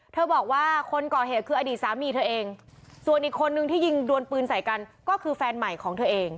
บอกว่าคนก่อเหตุคืออดีตสามีเธอเองส่วนอีกคนนึงที่ยิงดวนปืนใส่กันก็คือแฟนใหม่ของเธอเอง